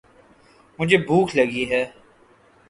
مجھے بھوک لگی ہے۔